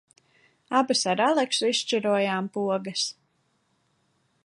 Abas ar Aleksu izšķirojām pogas.